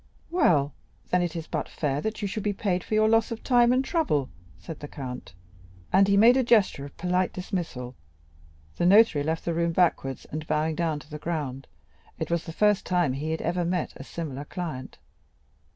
"Well, then, it is but fair that you should be paid for your loss of time and trouble," said the count; and he made a gesture of polite dismissal. The notary left the room backwards, and bowing down to the ground; it was the first time he had ever met a similar client.